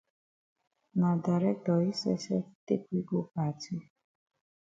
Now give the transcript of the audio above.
Na dirctor yi sef sef take we go party.